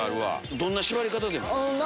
どんな縛り方でもいい？